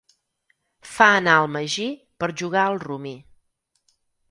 Fa anar el magí per jugar al rummy.